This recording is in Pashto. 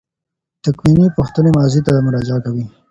تکویني پوښتنې ماضي ته مراجعه کوي.